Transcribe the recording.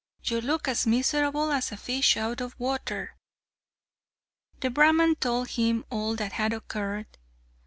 You look as miserable as a fish out of water!" The Brahman told him all that had occurred.